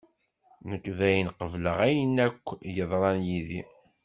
Nekk dayen qebleɣ ayen akka d-yeḍran yid-i.